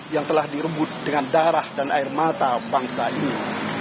yang telah direbut dengan darah dan air mata bangsa ini